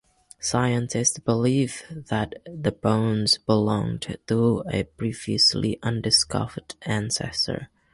Scientists believe that the bones belonged to a previously undiscovered ancestor.